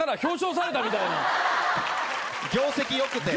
業績良くて。